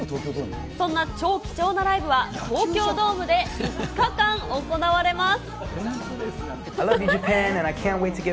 そんな超貴重なライブは、東京ドームで５日間行われます。